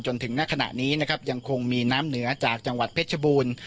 จนถึงณขณะนี้นะครับยังคงมีน้ำเหนือจากจังหวัดเพชรบูรณ์